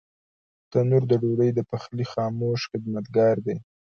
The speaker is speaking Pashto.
تنور د ډوډۍ د پخلي خاموش خدمتګار دی